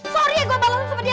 sorry ya gua balon sama dia